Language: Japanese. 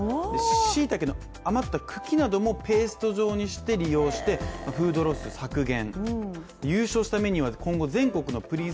しいたけの余った茎などもペースト状にして利用してフードロス削減。